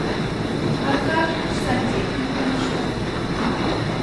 Аркаш сантехниклан ышта.